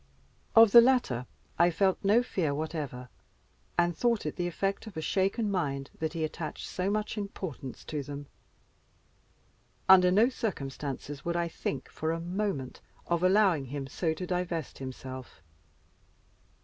Of the latter I felt no fear whatever, and thought it the effect of a shaken mind that he attached so much importance to them. Under no circumstances would I think, for a moment, of allowing him so to divest himself.